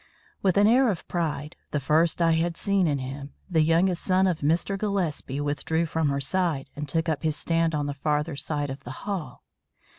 With an air of pride, the first I had seen in him, the youngest son of Mr. Gillespie withdrew from her side and took up his stand on the farther side of the hall.